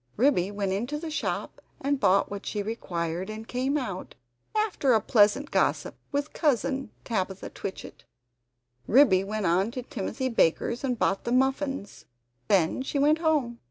Ribby went into the shop and bought what she required, and came out, after a pleasant gossip with Cousin Tabitha Twitchit. Ribby went on to Timothy Baker's and bought the muffins. Then she went home.